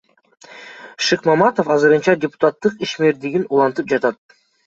Шыкмаматов азырынча депутаттык ишмердигин улантып жатат.